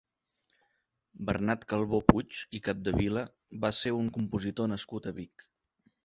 Bernat Calvó Puig i Capdevila va ser un compositor nascut a Vic.